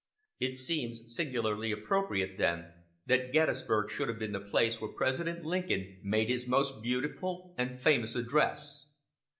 It seems singularly appropriate, then, that Gettysburg should have been the place where President Lincoln made his most beautiful and famous address.